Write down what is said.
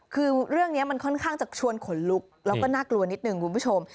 คือเรื่องนี้มันค่อนข้างจะชวนขนลุกแล้วก็น่ากลัวนิดนึงคุณผู้ชม